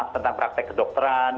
tentang praktek kedokteran